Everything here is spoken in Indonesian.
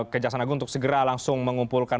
kejaksaan agung untuk segera langsung mengumpulkan